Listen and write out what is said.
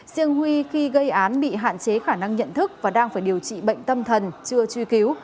riêng huy khi gây án bị hạn chế khả năng nhận thức và đang phải điều trị bệnh tâm thần chưa truy cứu